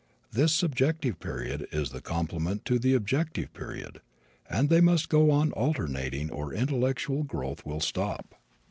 This subjective period is the complement of the objective period and they must go on alternating or intellectual growth will stop.